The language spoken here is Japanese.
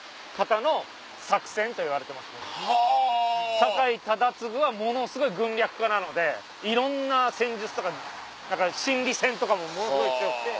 酒井忠次はものすごい軍略家なのでいろんな戦術とか心理戦とかもものすごい強くて。